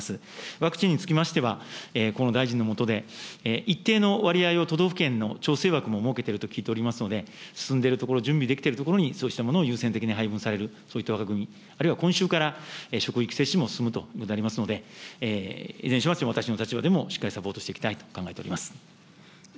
ワクチンにつきましては、河野大臣の下で一定の割合を都道府県の調整枠を設けていると聞いておりますので、進んでいる所、準備できている所にそうしたものを優先的に配分される、そういった枠組み、あるいは、今週から職域接種も進むということでありますので、いずれにしましても、私の立場でもしっかりサポートしていきたいと考えております。